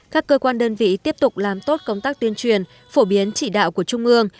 các cơ quan đơn vị tiếp tục làm tốt công tác tuyên truyền phổ biến chỉ đạo của trung ương